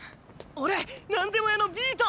おれ何でも屋のビート！